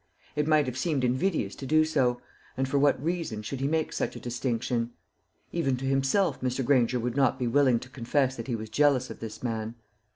It might have seemed invidious to do so; and for what reason should he make such a distinction? Even to himself Mr. Granger would not be willing to confess that he was jealous of this man.